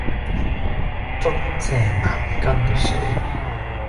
竹蔗茅根水